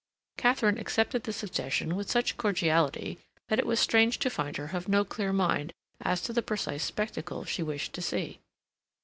Katharine accepted the suggestion with such cordiality that it was strange to find her of no clear mind as to the precise spectacle she wished to see.